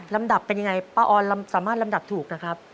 ลำดับเป็นยังไงป้าออนสามารถลำดับถูกนะครับ